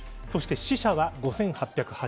そして死者は５８８１人。